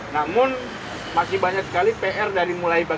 namun masih banyak sekali pr dari mulai tahun ke depan